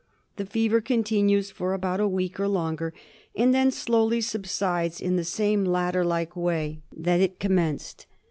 The fever continues for about a week or longer, and then slowly subsides in the same ladder like way that it commenced.